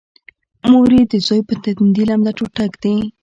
مور یې د زوی په تندي لمده ټوټه ږدي